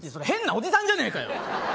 変なおじさんじゃねえかよ！